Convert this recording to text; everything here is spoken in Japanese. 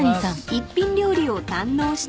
［一品料理を堪能した後は］